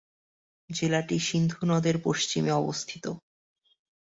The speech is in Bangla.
জেলাটি সিন্ধু নদের পশ্চিমে অবস্থিত।